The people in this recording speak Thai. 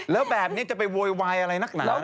แล้วแบบนี้จะไปโวยวายอะไรนักหนาวนะ